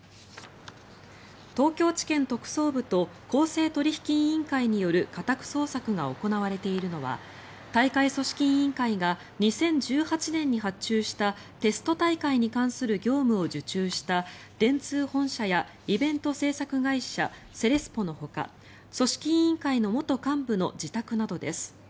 東京地検特捜部と公正取引委員会による家宅捜索が行われているのは大会組織委員会が２０１８年に発注したテスト大会に関する業務を受注した電通本社やイベント制作会社セレスポのほか組織委員会の元幹部の自宅などです。